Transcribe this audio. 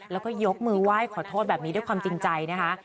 แล้วก็ยกมือไหว้ขอโทษแบบนี้ด้วยความจริงใจนะคะ